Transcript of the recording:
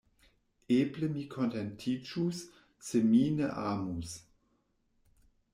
Eble mi kontentiĝus se mi ne amus.